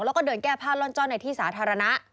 แล้วก็เดินแก้ผ้าล่อนจ้อนในที่สาธารณะ